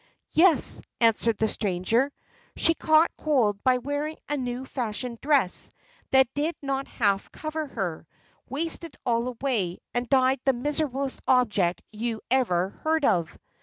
"Yes," answered the stranger; "she caught cold by wearing a new fashioned dress that did not half cover her, wasted all away, and died the miserablest object you ever heard of."